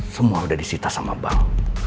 semua sudah disita sama bank